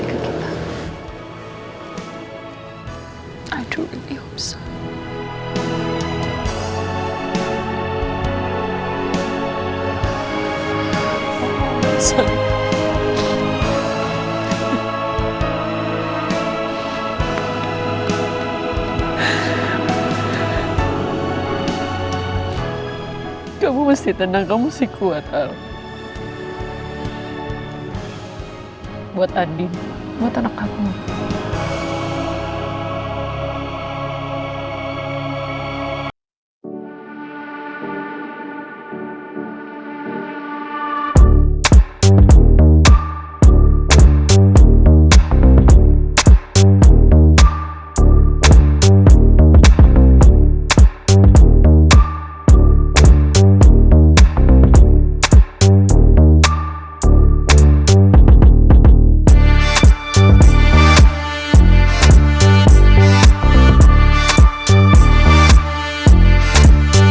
itu apa yang efecto bisa terjadi